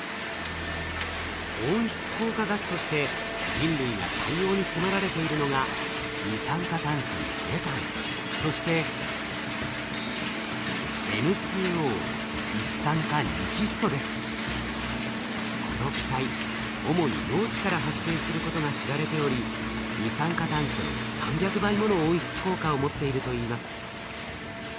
温室効果ガスとして人類が対応に迫られているのが二酸化炭素にメタンそしてこの気体主に農地から発生することが知られており二酸化炭素の３００倍もの温室効果を持っているといいます。